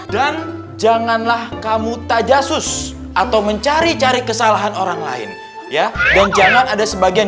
dan janganlah kamu tajasus atau mencari cari kesalahan orang lain ya dan jangan ada sebagian